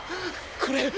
これ。